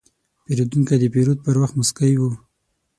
پیرودونکی د پیرود پر وخت موسکی و.